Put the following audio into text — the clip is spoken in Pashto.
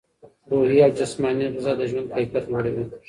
روحي او جسماني غذا د ژوند کیفیت لوړوي.